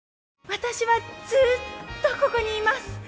私はずっとここにいます。